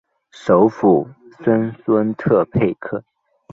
首府森孙特佩克。